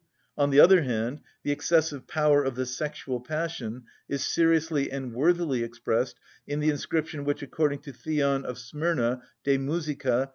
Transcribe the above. On the other hand, the excessive power of the sexual passion is seriously and worthily expressed in the inscription which (according to Theon of Smyrna, De Musica, c.